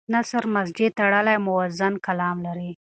نثر مسجع تړلی او موزون کلام دی.